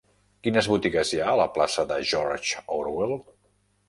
Quines botigues hi ha a la plaça de George Orwell?